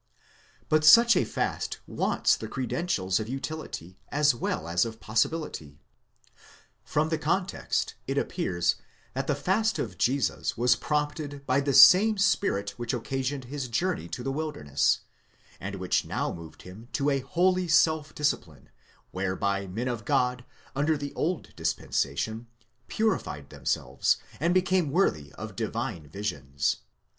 But such a fast wants the credentials of utility, as well as of possibility. From the context it appears, that the fast of Jesus was prompted by the same Spirit which occasioned his journey to the wilderness, and which now moved him to a holy self discipline, whereby men of God, under the old dispensation, purified themselves, and became worthy of divine visions.